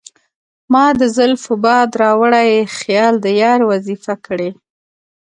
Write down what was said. مــــــا د زلفو باد راوړی خیــــــال د یار وظیفه کـــــړی